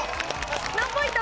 何ポイント？